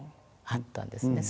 あったんですね